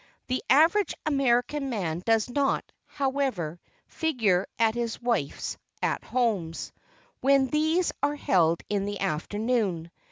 The average American man does not, however, figure at his wife's "At Homes" when these are held in the afternoon.